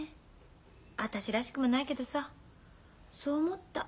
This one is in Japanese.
私らしくもないけどさそう思った。